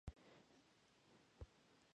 رویټرز خبري اژانس